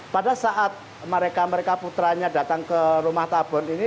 pada saat mereka mereka putranya datang ke rumah tabon ini